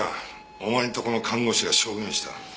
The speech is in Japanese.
お前んとこの看護師が証言した。